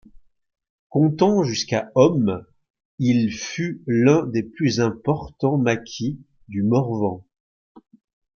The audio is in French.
Comptant jusqu'à hommes, il fut l'un des plus importants maquis du Morvan.